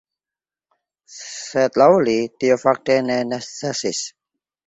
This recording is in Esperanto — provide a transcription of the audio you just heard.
Sed laŭ li tio fakte ne necesis.